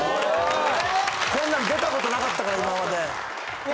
こんなん出たことなかったから今まで。